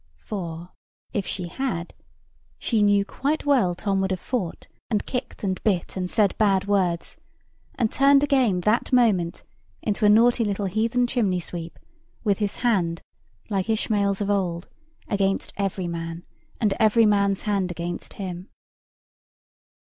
For, if she had, she knew quite well Tom would have fought, and kicked, and bit, and said bad words, and turned again that moment into a naughty little heathen chimney sweep, with his hand, like Ishmael's of old, against every man, and every man's hand against him.